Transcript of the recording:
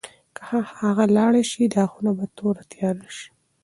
که هغه لاړه شي، دا خونه به توره تیاره شي.